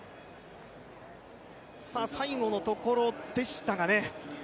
最後のところでしたがね。